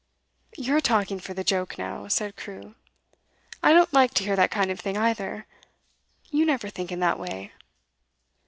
'You're talking for the joke now,' said Crewe. 'I don't like to hear that kind of thing, either. You never think in that way.